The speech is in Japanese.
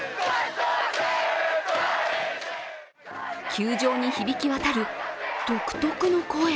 球場に響き渡る独特の声。